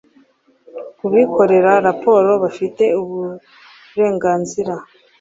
kubikorera raporo Bafite uburenganzira